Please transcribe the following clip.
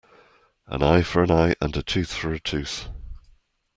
An eye for an eye and a tooth for a tooth.